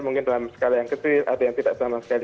mungkin dalam skala yang kecil ada yang tidak sama sekali